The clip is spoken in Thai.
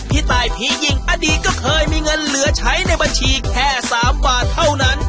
พี่ตายผียิงอดีตก็เคยมีเงินเหลือใช้ในบัญชีแค่๓บาทเท่านั้น